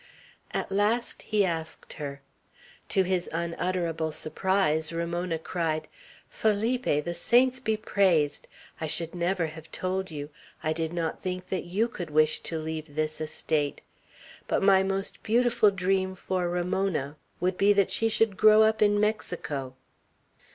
At last he asked her. To his unutterable surprise, Ramona cried: "Felipe! The saints be praised! I should never have told you. I did not think that you could wish to leave this estate. But my most beautiful dream for Ramona would be, that she should grow up in Mexico."